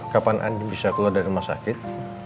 kapan andi bisa keluar dari rumah sakit